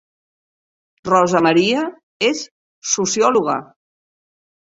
Rosa Maria és sociòloga